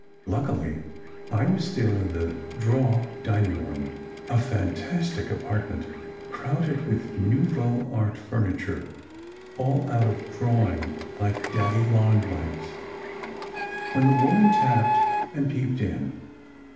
Luckily I was still in the draw dining room a fantastic apartment crowded with nouveau art furniture all out of drawing, like daddy longlegs when the woman tapped and peeped in.